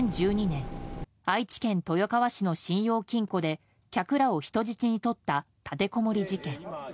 ２０１２年愛知県豊川市の信用金庫で客らを人質に取った立てこもり事件。